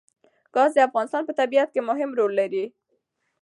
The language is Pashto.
ګاز د افغانستان په طبیعت کې مهم رول لري.